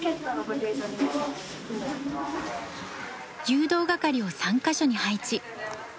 誘導係を３カ所に配置。